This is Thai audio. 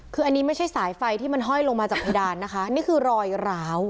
คืออันนี้ไม่ใช่สายไฟที่มันห้อยลงมาจากเพดานนะคะนี่คือรอยร้าว